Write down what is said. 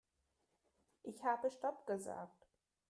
Ich habe stopp gesagt.